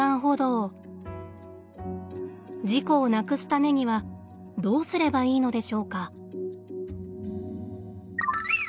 事故をなくすためにはどうすればいいのでしょうか。